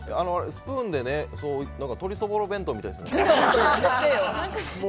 スプーンで鶏そぼろ弁当みたいですね。